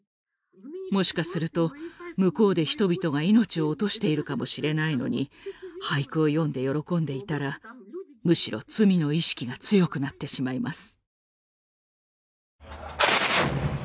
もしかすると向こうで人々が命を落としているかもしれないのに俳句を詠んで喜んでいたらむしろ罪の意識が強くなってしまいます。